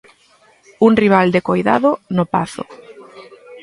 Un rival de coidado no Pazo.